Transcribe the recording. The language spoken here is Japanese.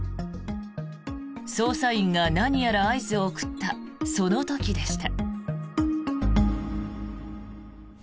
捜査員が何やら合図を送ったその時でした。